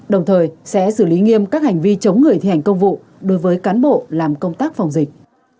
đồng thời sẽ xử lý nghiêm các hành vi chống người thi hành công vụ đối với cán bộ làm công tác phòng dịch